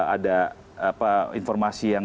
ada informasi yang